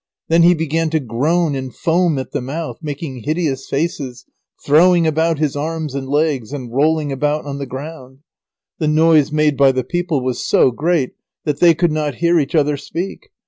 Then he began to groan and foam at the mouth, making hideous faces, throwing about his arms and legs, and rolling about on the ground. The noise made by the people was so great that they could not hear each other speak.